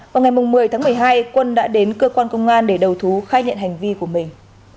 vào ngày một mươi tháng một mươi hai quân đã đến cơ quan công an để đầu thú khai nhận hành vi của mình